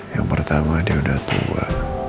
yang pertama dia sudah tua